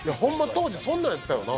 当時そんなんやったよな。